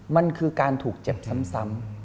มันคือการถูกเจ็บซ้ำ